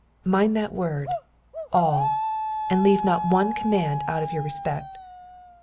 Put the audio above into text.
Mind that word ttZ^,'' and leave not one command out of your respect.